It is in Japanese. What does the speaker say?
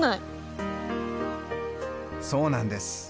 そうなんです。